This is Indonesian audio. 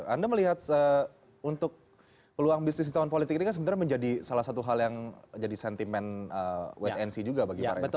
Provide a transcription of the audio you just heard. anda melihat untuk peluang bisnis di tahun politik ini kan sebenarnya menjadi salah satu hal yang jadi sentimen wait and see juga bagi para investor